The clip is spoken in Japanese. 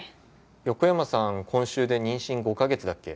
横山さん、今週で妊娠５か月だっけ。